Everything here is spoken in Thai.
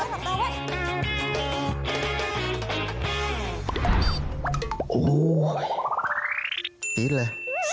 จี๊ดเลยจี๊ดเลย